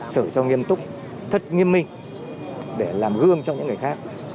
sửa cho nghiêm túc thất nghiêm minh để làm gương cho những người khác